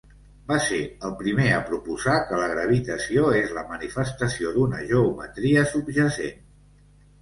Va ser el primer a proposar que la gravitació és la manifestació d'una geometria subjacent.